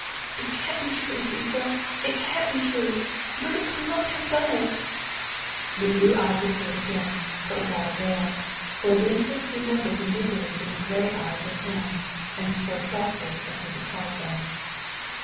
" It can't be true, Cecil, it can't be true. Bertie could not have done it." The blue eyes appeared again, but without avail, for Lyndhurst remembered the misery in the gray eyes at home and swore softly as he recalled them.